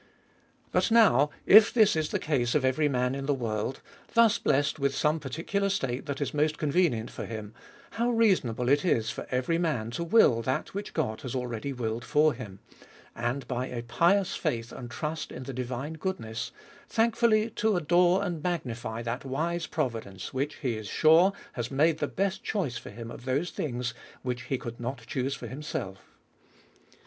But now, if this is the case of every man in the world, thus blessed with some particular state that is most convenient for him, how reasonable is it for every man to will that which God lias already willed for him ! and, by a pious faith and trust in the divine goodness, thankfully adore and magnify that wise pro vidence, which he is sure has made the best choice for him of these things, which he could not choose for himself.